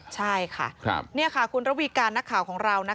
ใช่ค่ะนี่ค่ะคุณระวีการนักข่าวของเรา